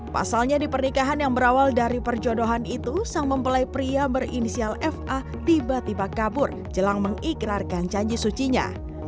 pasalnya di pernikahan yang berawal dari perjodohan itu sang mempelai pria berinisial fa tiba tiba kabur jelang mengikrarkan janji sucinya